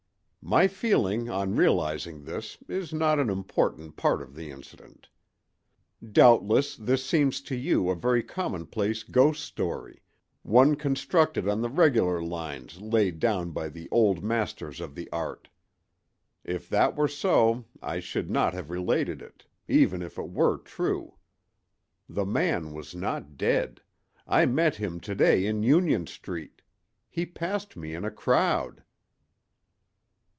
My feeling on realizing this is not an important part of the incident. "Doubtless this seems to you a very commonplace 'ghost story'—one constructed on the regular lines laid down by the old masters of the art. If that were so I should not have related it, even if it were true. The man was not dead; I met him to day in Union street. He passed me in a crowd."